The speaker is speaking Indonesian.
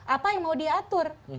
apa yang mau diatur